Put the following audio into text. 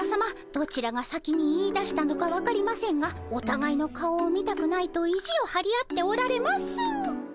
どちらが先に言いだしたのか分かりませんがおたがいの顔を見たくないと意地をはり合っておられます。